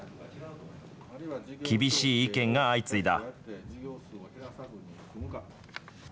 厳しい意見が相次いだ。